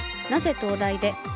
なぜ東大で？